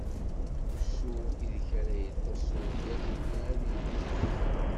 Usu ideg ara yeṭṭeṣ urgaz-nni ad inǧes.